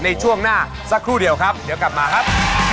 ในช่วงหน้าสักครู่เดียวครับเดี๋ยวกลับมาครับ